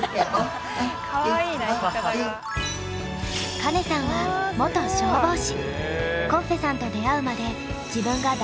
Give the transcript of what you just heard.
カネさんは元消防士。